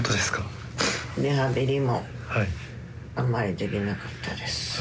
リハビリもあんまりできなかったです。